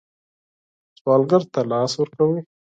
سوالګر ته لاس ورکوئ